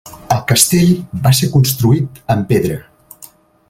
El castell va ser construït en pedra.